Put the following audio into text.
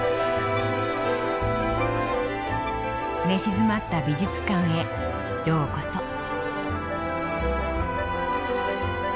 寝静まった美術館へようこそ。